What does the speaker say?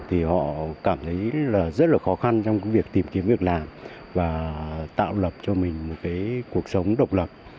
thì họ cảm thấy là rất là khó khăn trong việc tìm kiếm việc làm và tạo lập cho mình một cái cuộc sống độc lập